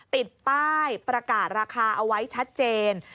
ติดป้ายประกาศราคาเอาไว้ชัดเจน